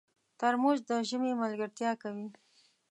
ترموز د ژمي ملګرتیا کوي.